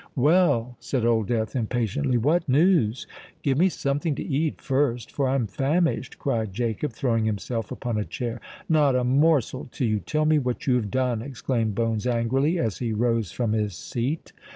"Well," said Old Death impatiently, "what news?" "Give me something to eat first—for I am famished," cried Jacob, throwing himself upon a chair. "Not a morsel, till you tell me what you have done!" exclaimed Bones angrily, as he rose from his seat.